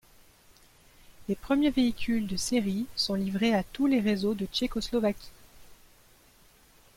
Les premiers véhicules de série sont livrés à tous les réseaux de Tchécoslovaquie.